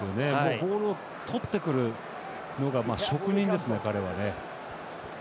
ボールをとってくる職人ですね、彼はね。